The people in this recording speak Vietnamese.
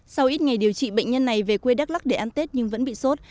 sau ít ngày điều trị bệnh nhân này về quê đắk lắc để ăn tết nhưng vẫn bị sốt